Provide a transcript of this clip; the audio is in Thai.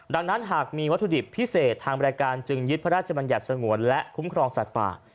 ดังนั้นหากมีวัตถุดิบพิเศษทางบริการจึงยึดพระราชบัญญัติสงวนและคุ้มครองสัตว์ป่า